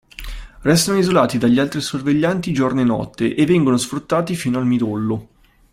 Restano isolati dagli altri sorvegliati giorno e notte e vengono sfruttati fino al midollo.